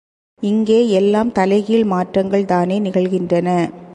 இங்கே எல்லாம் தலை கீழ் மாற்றங்கள் தானே நிகழ்கின்றன!